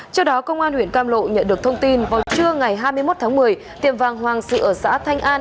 trước đó công an huyện cam lộ nhận được thông tin vào trưa ngày hai mươi một tháng một mươi tiệm vàng hoàng sự ở xã thanh an